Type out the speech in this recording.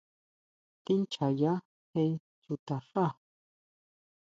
¿Tíʼnchjaya je chuta xá?